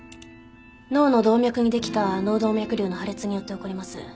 脳の動脈にできた脳動脈瘤の破裂によって起こります。